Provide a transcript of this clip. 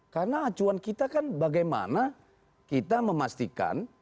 karena acuan kita kan bagaimana kita memastikan